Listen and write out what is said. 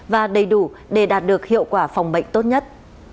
và đầy đủ để đạt được hiệu quả phòng bệnh tốt nhất